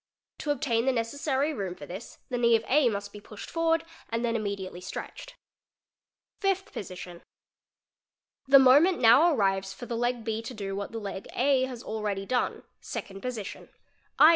'To obtain the necessary room for this the knee of A must be pushed forward and then immediately stretched. Fifth Position—The moment now arrives for the leg B to do iia ; the leg A has already done (Second Position), 2.